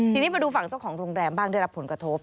ทีนี้มาดูฝั่งเจ้าของโรงแรมบ้างได้รับผลกระทบ